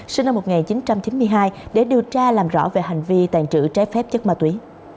sinh năm một nghìn chín trăm chín mươi hai để điều tra làm rõ về hành vi tàn trữ trái phép chất ma túy